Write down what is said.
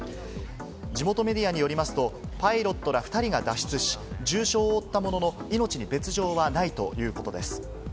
地元メディアによりますと、パイロットら２人が脱出し、重傷を負ったものの、命に別条はないということです。